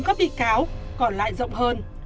các bi cáo còn lại rộng hơn